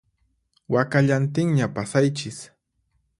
Wakallantinña pasaychis